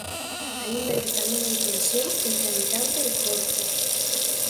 Aínda que tamén hai tensión entre Habitante e Corpo.